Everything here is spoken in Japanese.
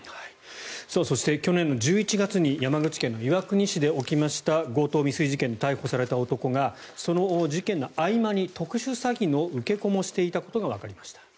そして、去年１１月に山口県岩国市で起きた強盗未遂事件で逮捕された男がその事件の合間に特殊詐欺の受け子もしていたことがわかりました。